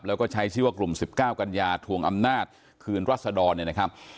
แล้วก็ใช้ชื่อว่ากลุ่ม๑๙กัญญาทวงอำนาจคืนรัศดรเนี่ยนะครับ